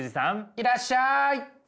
いらっしゃい。